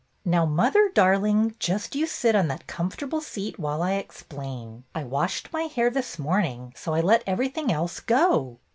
"Now, mother, darling, just you sit on that comfortable seat while I explain. I washed my hair this morning, so I let everything else go."